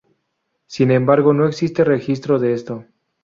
Sin embargo no existe registro de esto.